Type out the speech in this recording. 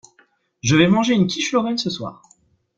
Je vais manger une quiche lorraine ce soir.